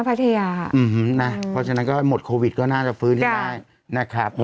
พัทยาอืมฮะนะเพราะฉะนั้นก็หมดโควิดก็น่าจะฟื้นที่มายนะครับอ่า